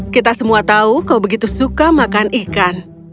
kita semua tahu kau begitu suka makan ikan